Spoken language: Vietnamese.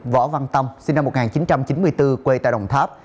võ văn tâm sinh năm một nghìn chín trăm chín mươi bốn quê tại đồng tháp